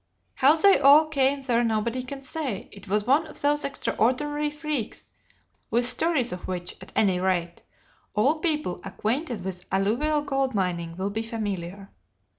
How they all came there nobody can say; it was one of those extraordinary freaks, with stories of which, at any rate, all people acquainted with alluvial gold mining will be familiar.